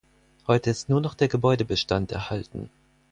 Heute ist nur noch der Gebäudebestand erhalten.